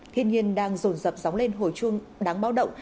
thiên nhiên đang rồn rập sóng lên hồi chuông đáng báo động